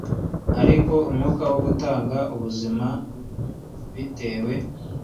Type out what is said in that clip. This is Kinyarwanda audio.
ariko umwuka wo utanga ubuzima s bitewe